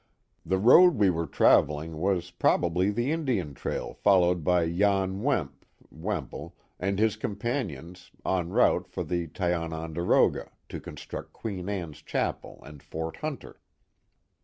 The road we were travelling was probably the Indian trail followed by Jan Wemp (Wemple) and his companions, en route for the Tiononderoga, to construct Queen Anne's Chapel and Fort Hunter.